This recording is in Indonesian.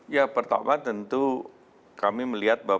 ya pertama tentu kami melihat bahwa